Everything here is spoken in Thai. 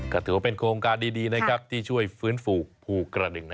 ก็ถือว่าเป็นโครงการดีที่ช่วยฟื้นฟูภูกระดึง